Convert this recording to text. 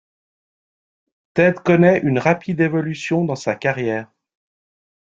Ted connaît une rapide évolution dans sa carrière.